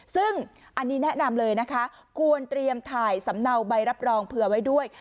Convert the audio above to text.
ซึ่งอันนี้แนะนำเลยนะคะควรเตรียมถ่ายสำเนาใบรับรองเผื่อไว้ด้วย